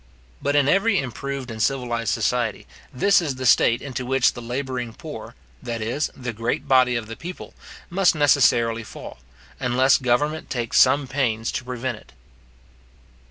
But in every improved and civilized society, this is the state into which the labouring poor, that is, the great body of the people, must necessarily fall, unless government takes some pains to prevent it.